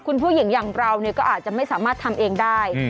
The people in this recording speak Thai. คุณผู้หญิงอย่างเราก็อาจจะไม่สามารถทำเองได้